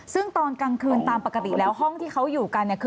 ซึ่งตอนกลางคืนตามปกติห้องที่เขาอยู่กัน